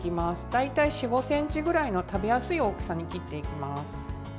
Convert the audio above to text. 大体４５ｃｍくらいの食べやすい大きさに切っていきます。